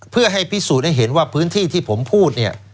เพื่อให้พิสูจน์ให้เห็นว่าพื้นที่ที่ผมพูดเนี่ย